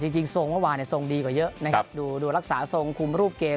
จริงส่งเมื่อวานเนี่ยส่งดีกว่าเยอะนะครับดูยากรรมรักษาส่งคุมรูปเกม